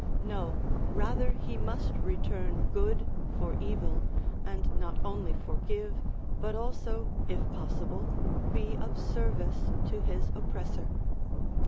No, rather he must return good for evil, and not only forgive, but also, if possible, be of service to his oppressor.